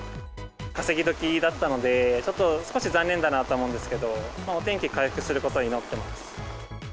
稼ぎどきだったので、ちょっと、少し残念だとは思うんですけど、お天気回復すること祈ってます。